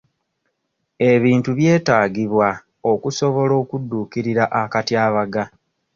Ebintu byetaagibwa okusobora okudduukirira akatyabaga.